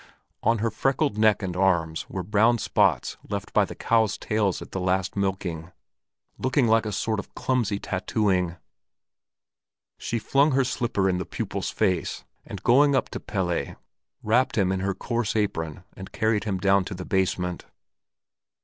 On her freckled neck and arms were brown marks left by the cows' tails at the last milking, looking like a sort of clumsy tattooing. She flung her slipper in the pupil's face, and going up to Pelle, wrapped him in her coarse apron and carried him down to the basement.